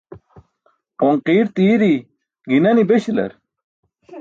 Qonqirt i̇i̇ri, gi̇nani̇ beśalar?